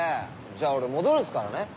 じゃあ俺戻るっすからね。